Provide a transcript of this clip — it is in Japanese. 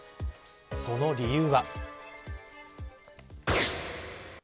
その理由は。